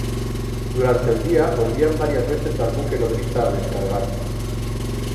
Durante el día volvían varias veces al buque nodriza a descargar.